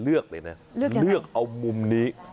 เลือกจากใครเนี่ยเสร็จปั๊บเลือกเอามุมนี้